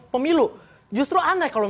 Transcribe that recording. pemilu justru aneh kalau